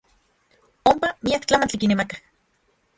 Onpa miak tlamantli kinemakaj.